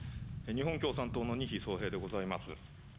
日本共産党の仁比聡平でございます。